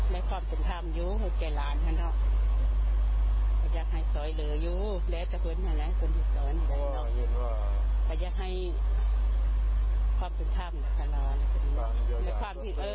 มีที่ถูกต้องแม่ค่ะนะ